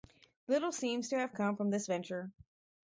Little seems to have come from this venture.